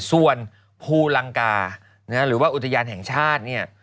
ส่วนภูลังกาหรือว่าอุทยานแห่งชาติเนี่ย